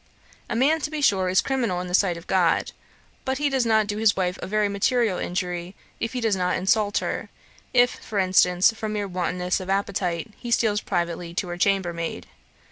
A man, to be sure, is criminal in the sight of God: but he does not do his wife a very material injury, if he does not insult her; if, for instance, from mere wantonness of appetite, he steals privately to her chambermaid.